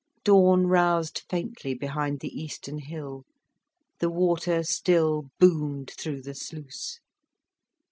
Dawn roused faintly behind the eastern hill. The water still boomed through the sluice.